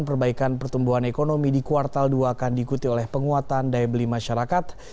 perbaikan pertumbuhan ekonomi di kuartal dua akan diikuti oleh penguatan daya beli masyarakat